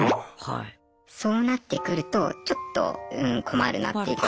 そうなってくるとちょっとうん困るなっていうか。